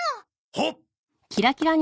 はっ！